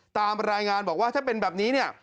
ตามรายงานบอกว่าถ้าเป็นแบบนี้เนี่ย